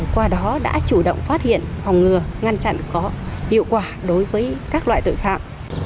qua đó đã chủ động phát hiện phòng ngừa ngăn chặn có hiệu quả đối với các loại tội phạm